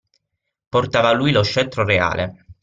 Portava lui lo scettro reale